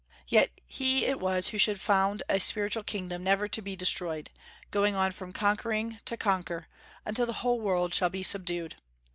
Yet he it was who should found a spiritual kingdom never to be destroyed, going on from conquering to conquer, until the whole world shall be subdued.